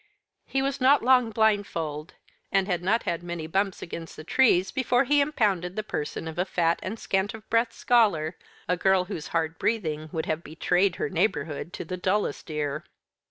He was not long blindfold, and had not had many bumps against the trees before he impounded the person of a fat and scant of breath scholar, a girl whose hard breathing would have betrayed her neighbourhood to the dullest ear.